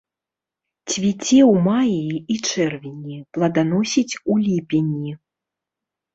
Цвіце ў маі і чэрвені, плоданасіць у ліпені.